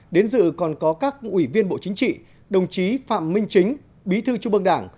đến dự còn có các ủy viên bộ chính trị đồng chí phạm minh chính bí thư trung ương đảng